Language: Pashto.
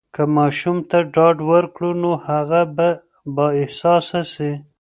که ماشوم ته ډاډ ورکړو، نو هغه به بااحساسه سي.